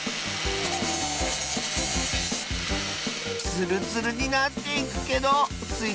ツルツルになっていくけどスイ